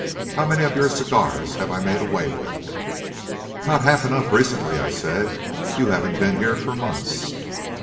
How many of your cigars have I made away with?" "Not half enough recently," I said. "You haven't been here for months."